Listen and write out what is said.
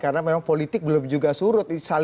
karena memang politik belum juga surut